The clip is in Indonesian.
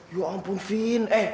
ya ampun fin